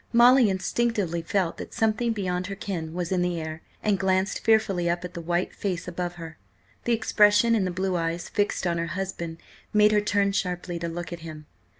Molly instinctively felt that something beyond her ken was in the air, and glanced fearfully up at the white face above her. The expression in the blue eyes fixed on her husband made her turn sharply to look at him.